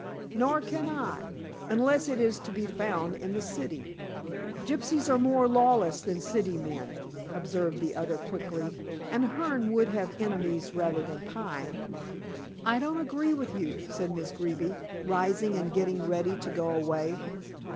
"Nor can I. Unless it is to be found in the City." "Gypsies are more lawless than City men," observed the other quickly, "and Hearne would have enemies rather than Pine." "I don't agree with you," said Miss Greeby, rising and getting ready to go away.